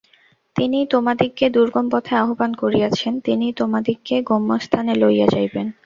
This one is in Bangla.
তিনিই তোমাদিগকে দুর্গম পথে আহ্বান করিয়াছেন, তিনিই তোমাদিগকে গম্যস্থানে লইয়া যাইবেন।